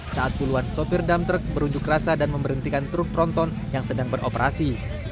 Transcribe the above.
saat puluhan sopir dam truk berunjuk rasa dan memberhentikan truk tronton yang sedang beroperasi